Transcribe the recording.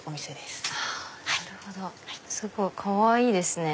すごいかわいいですね！